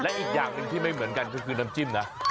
และอีกอย่างหนึ่งที่ไม่เหมือนกันก็คือน้ำจิ้มนะ